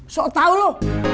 soal tau lo